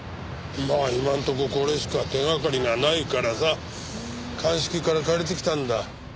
まあ今のところこれしか手掛かりがないからさ鑑識から借りてきたんだ。